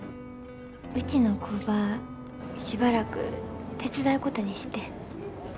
うちの工場しばらく手伝うことにしてん。